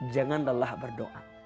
jangan lelah berdoa